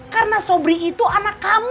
karena sobri itu anak kamu